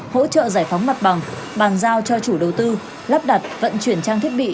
hỗ trợ giải phóng mặt bằng bàn giao cho chủ đầu tư lắp đặt vận chuyển trang thiết bị